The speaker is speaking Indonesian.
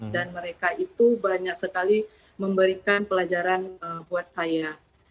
dan mereka itu banyak sekali memberikan pelajaran buat saya